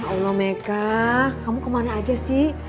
ya allah meka kamu kemana aja sih